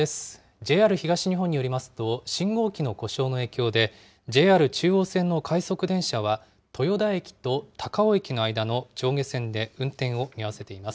ＪＲ東日本によりますと、信号機の故障の影響で、ＪＲ中央線の快速電車は、豊田駅と高尾駅の間の上下線で運転を見合わせています。